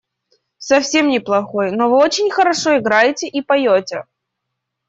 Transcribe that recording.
Совсем не плохой, но вы очень хорошо играете и поете.